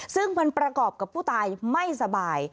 ซึ่งมันประกอบกับผู้ตายไม่สบาย